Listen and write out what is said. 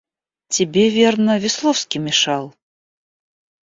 Тебе, верно, Весловский мешал.